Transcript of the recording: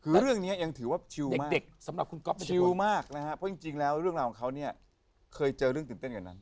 คือเรื่องนี้ยังถือว่าชิวมากเพราะจริงแล้วเรื่องของเขาเนี่ยเคยเจอเรื่องตื่นกันนั้น